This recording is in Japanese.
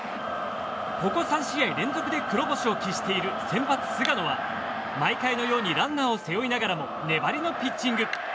ここ３試合連続で黒星を喫している先発、菅野は毎回のようにランナーを背負いながらも粘りのピッチング。